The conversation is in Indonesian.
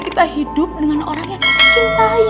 kita hidup dengan orang yang mencintai